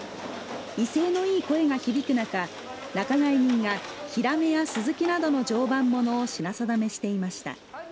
威勢のいい声が響く中、仲買人がヒラメやスズキなどの常磐ものを品定めしていました。